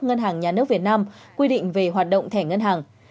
ngân hàng nhà nước việt nam quy định về hoạt động thẻ ngân hàng